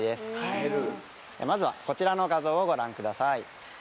まずはこちらの画像をご覧ください。